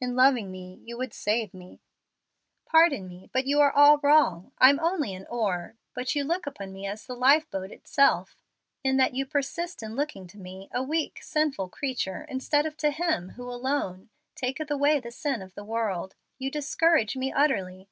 In loving me, you would save me." "Pardon me, but you are all wrong. I'm only an oar, but you look upon me as the lifeboat itself. In that you persist in looking to me, a weak, sinful creature, instead of to Him who alone 'taketh away the sin of the world,' you discourage me utterly."